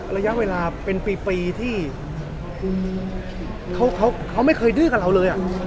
ระยะเวลาเป็นปีที่เขาไม่เคยดื้อกับเราเลย